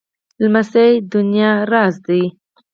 لمسی د نیا راز دی.